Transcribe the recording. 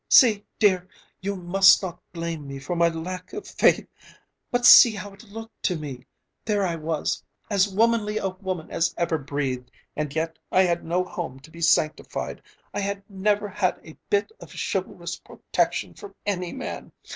"See, dear, you must not blame me for my lack of faith... but see how it looked to me. There I was, as womanly a woman as ever breathed, and yet I had no home to be sanctified, I had never had a bit of chivalrous protection from any man.